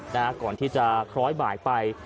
นะครับก่อนที่จะคล้อยบ่ายไป